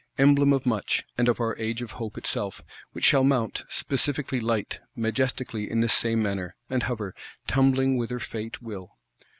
Emblem of much, and of our Age of Hope itself; which shall mount, specifically light, majestically in this same manner; and hover,—tumbling whither Fate will.